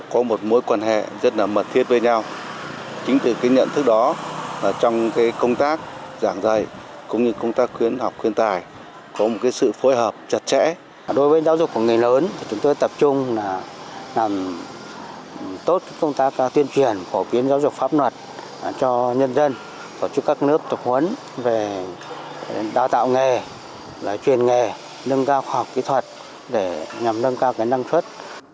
chúng tôi tập trung làm tốt công tác tuyên truyền phổ biến giáo dục pháp luật cho nhân dân tổ chức các nước tục huấn về đào tạo nghề truyền nghề nâng cao khoa học kỹ thuật để nhằm nâng cao năng suất